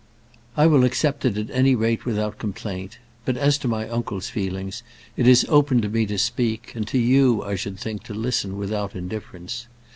"I will accept it at any rate without complaint. But as to my uncle's feelings, it is open to me to speak, and to you, I should think, to listen without indifference.